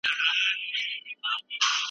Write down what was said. زه د اوبو په څښلو بوخت یم.